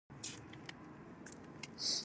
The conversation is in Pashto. پوتاشیمي سرې له منرالونو څخه لاس ته راوړي.